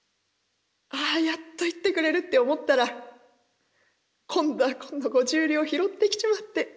ああやっと行ってくれるって思ったら今度は今度５０両拾ってきちまって。